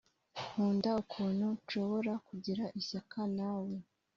nkunda ukuntu nshobora kugira ishyaka nawe.